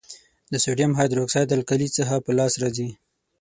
د سوډیم هایدرو اکسایډ القلي څخه په لاس راځي.